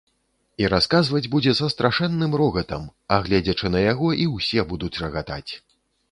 І расказваць будзе са страшэнным рогатам, а гледзячы на яго, і ўсе будуць рагатаць.